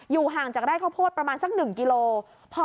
ห่างจากไร่ข้าวโพดประมาณสัก๑กิโลกรัม